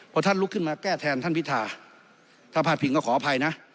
พอท่านลุกขึ้นมาแก้แทนท่านพิธาถ้าพลาดพิงก็ขออภัยนะ